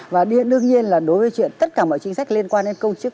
và đương nhiên là đối với chuyện tất cả mọi chính sách liên quan đến công chức